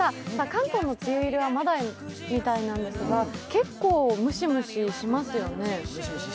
関東の梅雨入りはまだみたいなんですが、結構ムシムシしますよね。